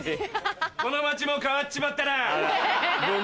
この街も変わっちまったな。